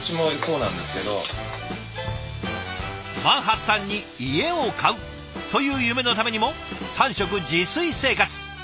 マンハッタンに家を買うという夢のためにも３食自炊生活。